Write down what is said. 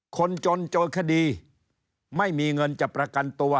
คนจนเจอคดีไม่มีเงินจะประกันตัว